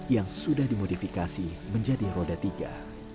yang sudah dimodifikasi menjadi roda tiga